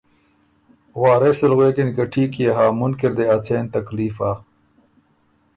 وارث ال غوېکِن که ټهیک يې هۀ، مُنکی ر دې ا څېن تکلیف هۀ